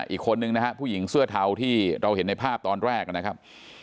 อีกคนนึงนะฮะผู้หญิงเสื้อเทาที่เราเห็นในภาพตอนแรกนะครับ